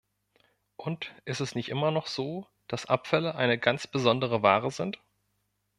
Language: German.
Und ist es nicht immer noch so, dass Abfälle eine ganz besondere Ware sind?